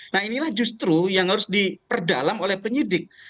nah inilah justru yang harus diperdalam oleh penyidik